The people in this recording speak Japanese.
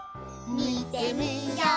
みてみよう！